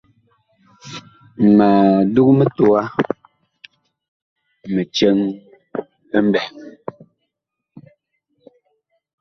Mag dug mitowa mi cɛŋ mɓɛɛŋ.